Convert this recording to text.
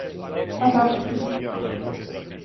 А зашто би?